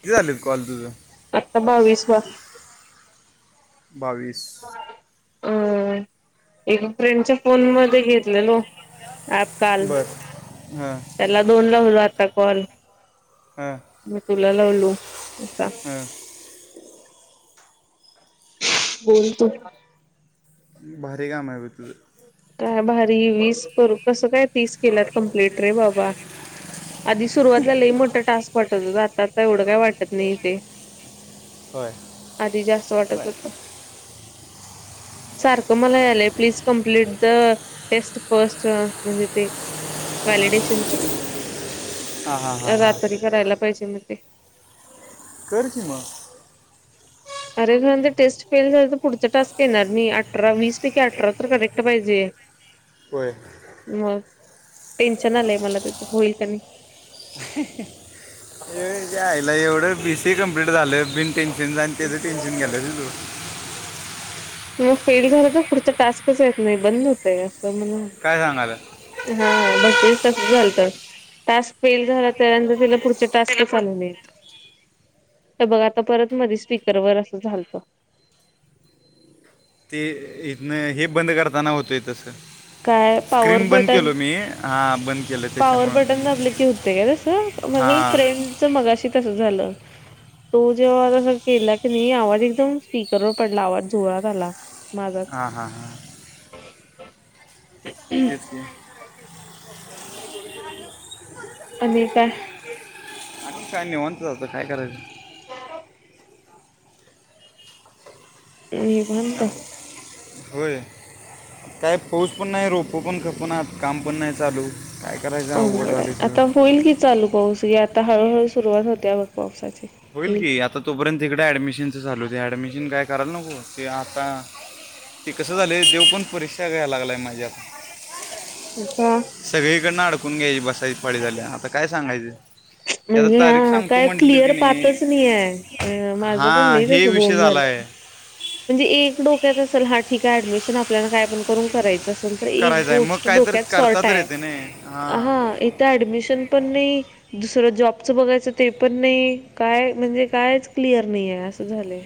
किती झालेत कॉल तुझं- तबा विशवा [inaudible] बावीस- अ एका फ्रेंडच्या फोन मध्ये घेतलेलो आप काल बर हां त्याला दोन लावल आता कॉल. ह. मी तुला लावलो असा. बोलतो. भारी काम आहे बग तुझं काय भारी वीस करू कसं काय तीस केलात कंप्लीट रे बाबा. आधी सुरुवातला लयी मोठा टास्क वाटत होत आता- आता एवढं काय वाटत नाही ते होय आधी जास्त वाटत होतं सारखं मला यालय प्लीज कंप्लीट टेस्ट फस्ट म्हणजे ते वॅलिडेशनच हां हां हां हां रात्री करायला पाहिजे मग ते कर की म अरे खर म्हणजे टेस्ट फेल झाले तर पुढचा टास्क येणार नाइ अठरा वीस पैकी अठरा तर करेक्ट पाहिजे. होय मग टेन्शन आलंय मला त्याच होईल का नाही. ह आईला एवढं बीसीए कमप्लीट झालं बीन टेन्शनच नं त्याचं टेन्शन घ्यालीस व्हय तू. मग फेल झालं तर पुढच टास्कच येत नाही बंद होतय. चल काय सांगायला म्ह हा बघ तेच तसच झालत टास्क फेल झाल तर अनं ती बोली त्यानंतर तिला पुढचे टास्कच आले नाइत तर बघ आता परत मधी स्पीकरवर असं झालतं. ते इथन हे बंद करताना होतय ते तसं काय पॉवर स्क्रीन बंद बटन केलो मी हा पॉवर बटन दाबले की होते काय तस माझ हां फ्रेंडच मगाशी तस झालं. तो जेव्हा अस केला की नाही आवाज एकदम स्पीकरवर पडला आवाज जोरात आला माझाच हा हा हा. तेच की. अनिता आणि काय निवांत जातं काय करायचं [unintelligible] निवांत. हो- होय काय पाऊस पण नाही रोपो पण खपूनत काम पण नाही चालू काय करायचं अवघड झाले आहे सगळं आता होईल कि चालू पाऊस या आता हळूहळू सुरुवात होतेया बघ पावसाची होईल की आता तोपर्यंत इकड ऍडमिशनच चालू होतय ऍडमिशन काय करायला नको ते आता ती कसं झालय देव पण परीक्षा घ्याय लागलाय माझी का सगळीकडन अडकून घ्यायची बस पाळी झाल्याय आता काय सांगायचे म्हणजे हा काय क्लि अर पहातच नाही आहे अ माझं पण हां लेई हे तस विषय बोन झाला झालं. आहे म्हणजे एक डोक्यात असल हा ठीक आहे ऍडमिशन आपल्याला काय पण करून करायचंच. एक करायचा आहे मग गोष्ट काय तर डोक्यात करता सॉर्ट तर आहे येते नाही हां हा इथं ऍडमिसशन पण नाही दुस जॉबचं बघायचं ते पण नाही काय म्हणजे कायच क्लिअर नाही आहे असं झालंय.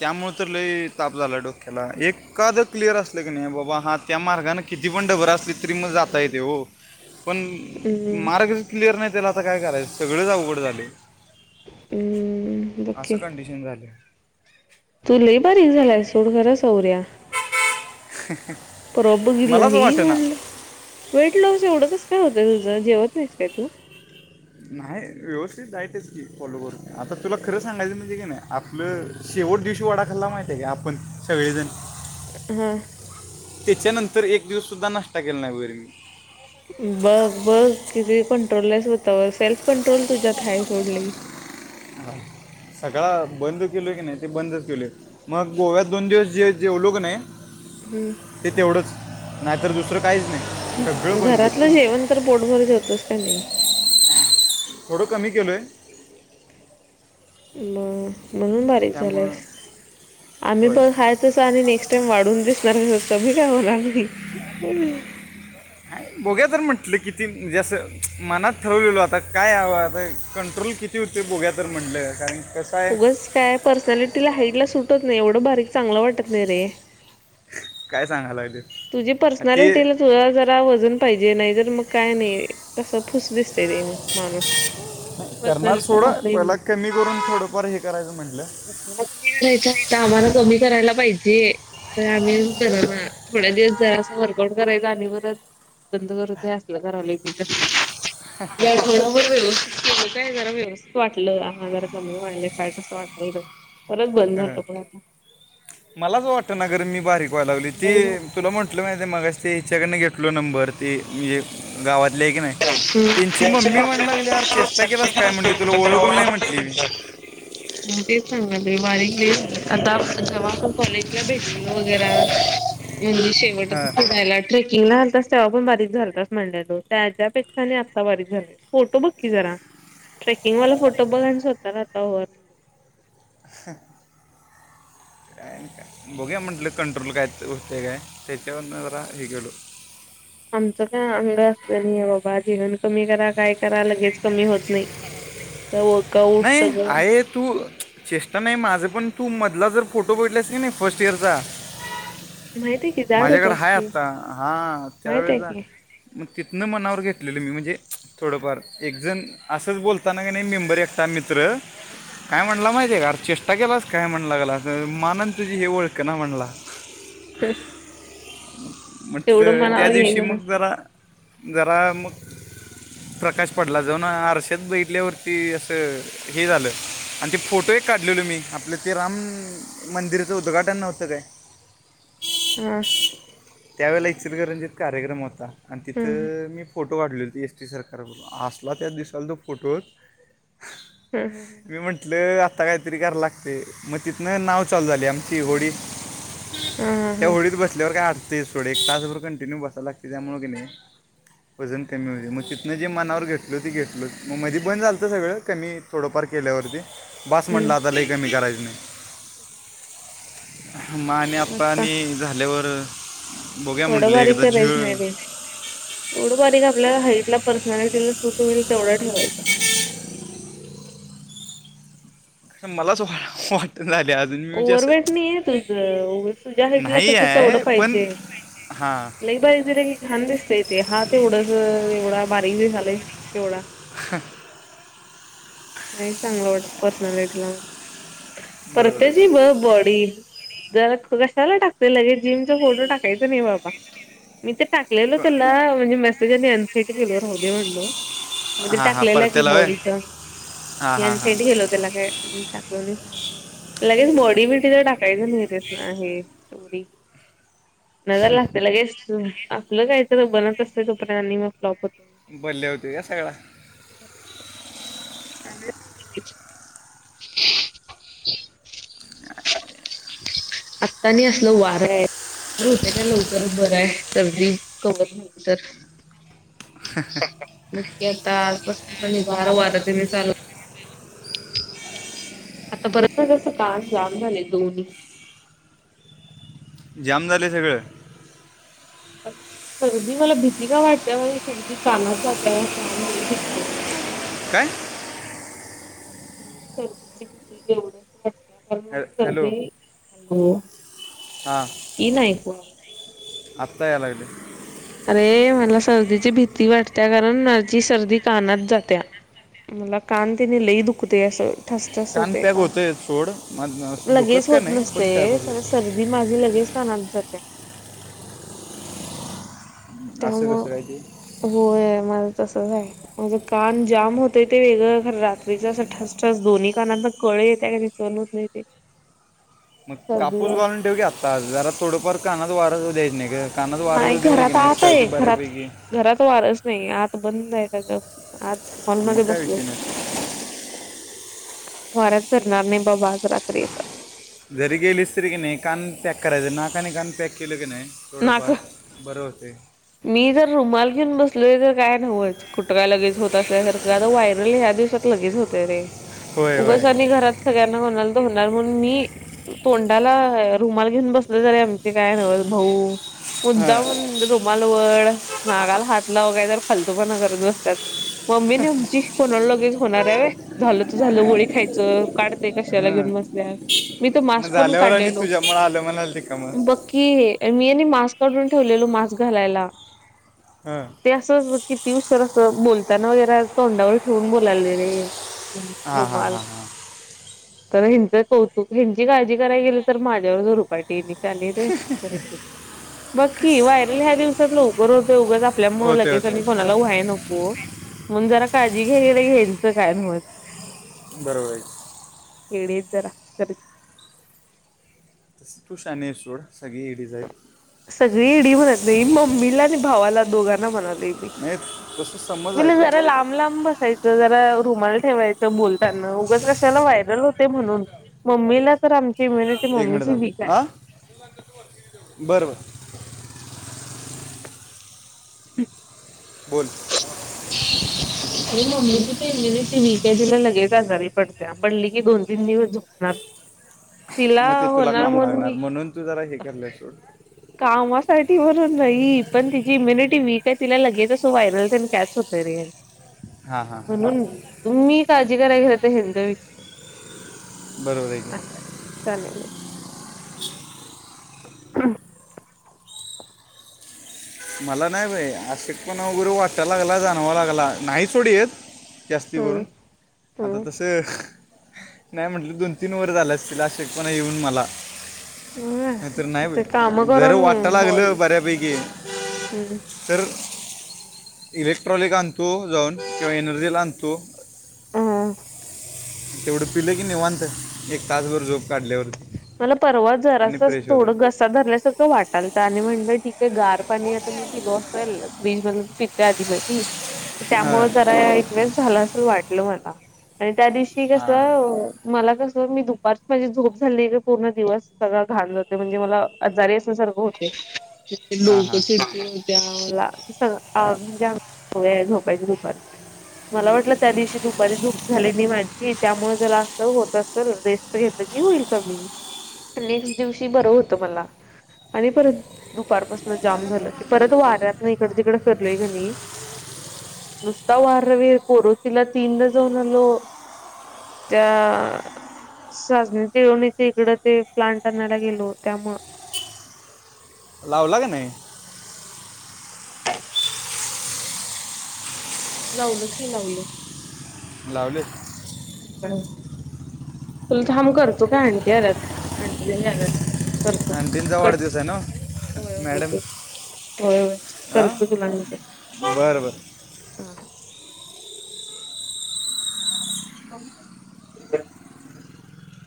त्यामुळे तर लय ताप झाला डोक्याला एखादं क्लिअर असले की नाही बाबा हा त्या मार्गाने किती पण डबर असली तरी मग जाता येते हो. पण हं, मार्ग क्लिअर नाही त्याला आता काय करायचं सगळेच अवगड झालये. हं, बघ की. असं कंडिशन झालंय. तू लई बारीक झालाय सोड खरं सौर्या. परवा बगीतला मलाच हे वाटेना म्हटलं वेटलॉस एवढं कस? काय होतंय तुझ जेवत नाहीस काय तू? नाही व्यवस्थित डायटच की फॉलो करतो आता तुला खरं सांगायचं म्हणजे की नाही आपलं शे एवढ दिवशी वडाखाल्ला माहितय आहे का आपण सगळेजण हा. त्याच्यानंतर एक दिवस सुद्धा नाष्टता केला नाही वर मी बघ बघ किती कंट्रोलय स्वतावर सेल्फ कंट्रोल तुझ्यात हाय सोडली. [inaudible] आ. सकाळ बंद केलो की नाही ते बंदच केलय मग गोव्यात दोन दिवस जे जेवलो की नाही हं, ते तेवढंच नाहीतर दुसरं काहीच नाही सगळं बंद घरातलं केलं जेवण तर पोटभर जेवतोस का नाही. थोडं कमी केलोय. म. म्हणून बारीक त्यामुळं झालेयस आम्ही होय बघ आहेतस आणि नेक्स्ट टाइम वाढून दिस तर कमी काय होणार नाही. बोघुया तर म्हंटलं किती म्हणजे असं मनात ठरवलेल आता काय हवं आता कंट्रोल किती तू ते बोघ्या तर म्हटलंय कारण कसं आहे उगच काय पर्सनॅलिटीला हाईट ला सुटत नाही एवढं बारीक चांगलं वाटत नाही रे. काय सांगालाय. तुझी पर्सनलिटीला तुझ जरा वजन पाहिजे नाही तर मग काय नाही अस पुस दिसते ते मानुस. करणार थोडं पहिला कमी करून थोडंफार हे करायचं म्हंटलं. कमी करायच आहे तर आम्हाला कमी करायला पाहिजे तर आम्ही कर ना. थोड्या दिवस झा अस वर्कआउट करायच आणि परत बंद करतय असलं करायला की. या आठवदभर व्यवस्थित केलं काय जरा व्यवस्थित वाटलं. आ जरा कमी व्हायलय फॅट मस्त वाटायलय. ह मलाच वाटत ना गर मी बारीक लावली ती तुला म्हटलं माहितीेये मगाशी ते हिच्याकडून घेतलो नंबर ती हे गावातले आहे की नाही. [inaudible] म त्यांची मम्मी म्हणायला लागली यार चेष्टा केलास काय म्हटली तुला ओळखलं नाही म्हटली मी तेच सागालंय बारी आता जेव्हा आपण कॉलेजला भेटलो वगैर म्हणजे हां शेवटायला ट्रेकिंगला आलतास तेव्हा पण बारीक झालत म्हणल. त्याच्यापेक्षा आणि आता बारीक झाले फोटो बग क्की जरा. ट्रेकिंग वाला फोटो बघायचा होता ना तंवर. ह. बघ्या म्हंटलं कंट्रोल काय होते काय त्याच्यावरून जरा हे गेलो. [inaudible] आमचं का अंग [unintelligible] बाबा जेवण कमी करा काय करा लगेच कमी होत नाही त्या वर्कआउट नाही सगळं आहे तू चेष्टा नाही माझं पण तू मधला जर फोटो बघितलास की नाही फर्स्ट इयरचा माहिती माझ्याकडे हाए आता हा माहित आहे त्यावेळेला की मग तिथनं मनावर घेतलेलं मी. हे थोडंफार एकजण असंच बोलताना क नई मेंबर एकटा मित्र काय म्हणला माहितीे का चेष्टा केलास काय [unintelligible] [unintelligible] तेवढं म्हटलं त्या मनावर दिवशी घ्यायचं मग नसते जरा जरा मग प्रकाश पडला जाऊन आरश्यात बघितल्यावरती हे झालं आणि ते फोटो ही काढलेले मी आपलं ते राम मंदिराचं उद्घाटन न नव्हतं काय. हम. त्यावेळेला इचलकरंजित कार्यक्रम होता आणि हम्म तिथं मी फोटो टो काढले होते एस टी सरकार [unintelligible] असला त्या दिसाल त्या फोटोत हम्म हम्म मी म्हंटलं आ ता काहीतरी कराला लागतय, मग तिथनं नाव चालू झाली आमची होडी [unintelligible] त्या होडीत बसल्यावर काय अडकतेस, थोडे एक तासभर कंटिन्यू बसाला लागते त्यामुळे की नाही वजन कमी होते, मग तिथनं जे मनावर घेतलो ते घेतलो मग मध्ये बंद झालंत सगळं कमी थोडंफार केल्यावरती बास हम्म म्हटलं आता लइ कमी करायच मा आणि आप्पा आणि झाल्यावर बघूया एवढं म्हटलं बारीक एकदा करायचं नाही झिळ रे एवढं बारीक आपल्याला हाईट ला पर्सनलिटीला सुट होईल तेवढा ठेवायच. [unintelligible] म्हणजे असं ओव्हरवेट नाहीये तुझ ओव तुझा हाईटला नाही तस तेवढं आहे पण पाहिजे. हां लई बारीक झालं की घाण दिसतय तेे हात एवढंसं एवढा बारीक बी झालंय केवढा ह [unintelligible] नाही चांगलं वाटत, पर्सनलिटीला बरोबर परत्याची आहे बघ बॉडी. जरा कशाला टाकलेल हे जिमचा फोटो टाकायचा नाही, बाबा मी तर टाकलेल तुला क- म्हणजे मेसेज येणा [unintelligible] म्हणलो म ते हां हां टाकलेल की परत्याला होय बॉडीच. [unintelligible] हां हां हां [unintelligible] नजर लागते लगेच आपलं काही तर बनत असतय, तोपर्यंत आणि मग फ्लॉप होते बल्ल्या होतय काय सगळा. [unintelligible] [unintelligible] आत्तानी असलं वारं आहे. हो [unintelligible] लवकर बर आहे सर्दी कवर नाही तर [unintelligible] [unintelligible] [unintelligible] जाम झालय सगळ. [unintelligible] सर्दी मला भीती का वाटते माझी सर्दी कानात जाते त्यामुळं कान लई दुखतय. काय? मला सर्दीची भीती हॅ- एवढ्याच हॅलो हां [unintelligible] येईना ऐकू. आता याय लागलाय. अरे मला सर्दीची भीती वाटतेय, कारण माझी सर्दी कानात जात्या. मला कान तेन लय दुखतय अस ठसठस कान होतय पॅक होतंय सोड मग कानात असं लगेच दुखत का होत नाही पण पॅक नसतय, कारण होतंय सर्दी माझी लगेच [inaudible] असं त्यामुळ कसं काय ते होय माझ तसच आहे. माझं कान जाम होतंय ते वेगळ खरं रात्रीच असं ठस ठस दोन्ही कानांना कळ येत- सहण होत नाही ते. मग सर्दी कापूस झाली. घालून ठेव घी आत्ता जरा थोडंफार कानात वार जाऊ द्यायच नाही ग. नाही घरात आत आहे, घरात- घरात वारच नाही आत बंद आहे सगळ. आत हॉल मध्ये मग काय बसलोय विषय नाही वाऱ्यात फिरणार नाही, बाबा आज. रात्री आता जरी गेलीस तरी की नाही, कान पॅक करायच नाक आणि कान पॅक केलं की नाही थोडंफार नाक बरं होतय. मी जर रुमाल घेऊन बसले तर काय न्हवच कुठे काय लगेच होत असल्यासारखं आता व्हायरल दिवसात लगेच होतय रे. होय होय उगाच आणि घरात सगळ्यांना म्हणाल तर होणार म्हणून मी तोंडाला रूमाल घेऊन बसलोय तर काय भाऊ हां मुद्दामहून रूमाल वड नाकाला हात लाव कायतर फालतू पणा करत बसतात. मम्मी नाही आमची कोणाला लगेच होणार आहे झालं तर झालं गोळी खायचं काढते कशाला हां घेऊन मी तर मग मास्क पण झाल्यावर काढलेलो. [inaudible] मग बघ की मी आणि मास्क काढून ठेवलेलो मास्क घालायला हां ते अस किती उशीर. ताना वगैरे तोंडावर ठेवून बोलालोय रे. हा हा रुमाल हा हा. तर ह्याच कौतुक ह्यांची काळजी कराय गेली तर माझ्यावरच उरपाटी आहेत ये. बघ की ह्या दिवसात लवकर होत उगाच आपल्यामुळे होते लगेच होते कोणाला व्हायला नको म्हणून जरा काळजी घ्यायला ह्याचं काय न्हवच. बरोबर. येडे आहेत जरा खरच. तु शहानी आहेस सोड सगळी येडेच आहेत. सगळी येडी म्हणत नाही मम्मीला आणि भावाला दोघांना म्हणलोय. नाही तसं समज आहे तुझा जरा लांब लांब बसायच जरा रुमाल ठेवायच बोलताना उगाच कशाला व्हायरल होते म्हणून मम्मीला तर आमची इम्युनिटी एक मिनिट मम्मीची थांब वीक आहे. हां [unintelligible] [inaudible] हम्. बोल. हो. मम्मीची इम्युनिटी वीक आहे लगेच आजारी पडते पडली की दोन तीन दिवस झोपणार. तिला मग ते तुला होणार काम म्हणून लागणार मी तू जरा हे करलं सोड कामासाठी वरून नाही पण जी इम्यनिटी वीक आहे तिला लगेच अस व्हायरल कॅच होत रे. हां हां हां म्हणून तुम्ही काळजी कराय गेलाय तर ह्यांच विचार बरोबर आहे की अस चालेल मी हम. मला नाही बाई अशक्तपणा वगैरे वाटायला लागला जाणवा लागला नाही सोडी येत. जास्ती हम्म करून आता तसं. नाही म्हटलं दोन तीन वर झाले असतील अशक्त पणा येऊन मला. हम्म तरं ते काम नाही जर करून वाटायला बॉडी लागलं बऱ्यापैकी. हम्म. तर इलेक्ट्रॉनिक आणतो जाऊन किंवा एनर्जीला आणतो. [inaudible] तेवढं पिलं की निवांत एक तासभर झोप. काढल्यावरती मला परवा आणि जरास फ्रेश थोड होतं घसा धरल्यासारखं वाटालत आणि म्हणलं ठी ते गार पाणी आता मी पिलो असेल फ्रीज मधी पितते आधी मधी. हां त्यामुळे जरा एकावेळेस झाला असल वाटलं मला आणि त्या दिवशी हां कसं मला कसं मी दुपारचं माझी झोप. झा पूर्ण दिवस सगळां घाण जातो म्हणजे मला आजारी असण्यासारखं होते. हां लोक हां चिडचिड होत्या. [inaudible] म्हणजे आमची सवय आहे झोपायची दुपारी. मला वाटलं त्या दिवशी दुपारी झोप झाली नाही माझी त्यामुळे जरा असं होत असलं रेस्ट घेतलं की होईल. नेक्ट दिवशी बरं होत मला आणि परत- दुपारपासन जाम झालं ते परत वाऱ्यात ना इकड तिकडे फिरलोय कि नाही. नुसता वार कोरोचीला तीनदा जाऊन आलो. त्या तिळवनीच्या इकड ते प्लांट आणयला गेलो त्यामु- लावला का नाही. लावलं की लावलं. लावलं. ह तुला थांब करतो का आणंटी आल्यात. आणंटी आलात. करतो आणखीनचा कट वाढदिवस आहे ना होय होय मॅडम तेच. होय होय, हां करतो तुला नंतर बरं बरं हा. [unintelligible]